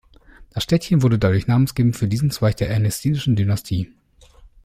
Das Städtchen wurde dadurch namengebend für diesen Zweig der ernestinischen Dynastie.